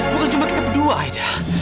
bukan cuma kita berdua aja